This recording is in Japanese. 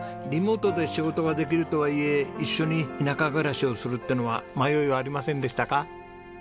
リモートで仕事はできるとはいえ一緒に田舎暮らしをするってのは迷いはありませんでしたか？